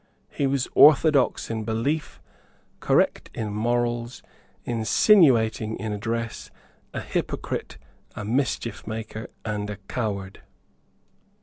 He was orthodox in belief, correct in morals, insinuating in address, a hypocrite, a mischiefmaker and a coward.